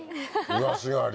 イワシ狩り。